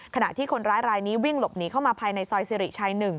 ขณะที่คนร้ายรายนี้วิ่งหลบหนีเข้ามาภายในซอยสิริชัย๑